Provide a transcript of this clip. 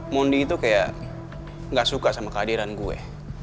mondi itu kayak gak suka sama kehadiran gue